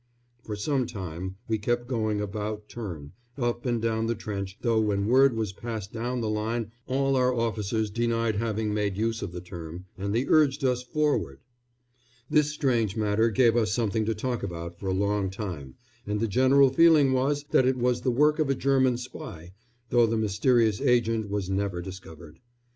For some time we kept going "about turn," up and down the trench, though when word was passed down the line all our officers denied having made use of the term, and they urged us forward. This strange matter gave us something to talk about for a long time, and the general feeling was that it was the work of a German spy, though the mysterious agent was never discovered.